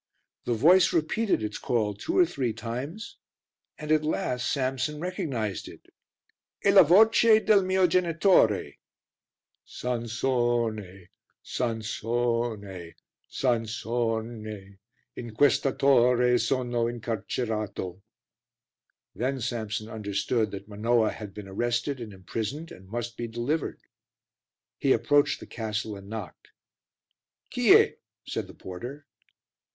The voice repeated its call two or three times and at last Samson recognized it. "E la voce del mio genitore." "Sansone, Sansone, Sansone! In questa torre sono incarcerato." Then Samson understood that Manoah had been arrested and imprisoned and must be delivered. He approached the castle and knocked. "Chi e?" said the porter.